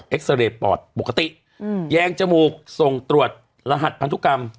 ซาเรย์ปอดปกติแยงจมูกส่งตรวจรหัสพันธุกรรม